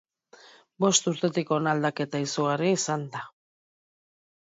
Bost urtetik hona aldaketa izugarria izan da.